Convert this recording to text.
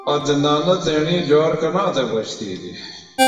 عدنانہ تیݨی جُوار کنا تھےۡ بچ تِھیلیۡ؟